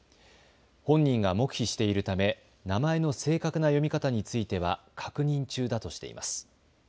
本人が黙秘しているため名前の正確な読み方については確認中だとしています。